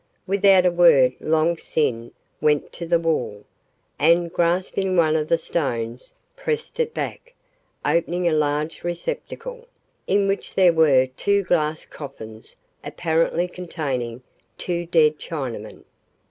Without a word Long Sin went to the wall, and, grasping one of the stones, pressed it back, opening a large receptacle, in which there were two glass coffins apparently containing two dead Chinamen.